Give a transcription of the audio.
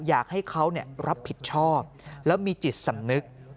อยากให้เขารับผิดชอบแล้วมีจิตสำนึก